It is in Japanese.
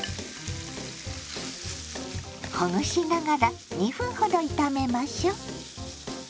ほぐしながら２分ほど炒めましょう。